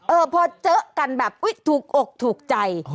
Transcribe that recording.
เออพอเจอกันแบบอุ๊ยถูกอกถูกใจ